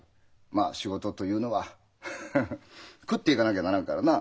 まあ仕事というのはハハハ食っていかなきゃならんからな。